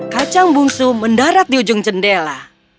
kacang bungsu mendarat di ujung jendela